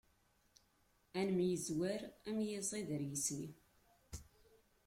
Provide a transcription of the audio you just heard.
Ad nemyezwer, am yiẓid ar isni.